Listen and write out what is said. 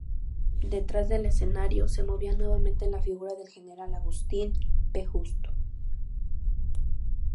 Detrás del escenario se movía, nuevamente, la figura del general Agustín P. Justo.